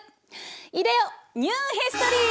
いでよニューヒストリー！